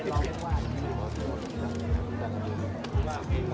พี่พ่อกลับไปชะเทศนะพี่พ่อกลับไปชะเทศนะ